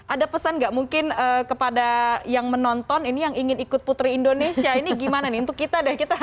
ada pesan nggak mungkin kepada yang menonton ini yang ingin ikut putri indonesia ini gimana nih untuk kita deh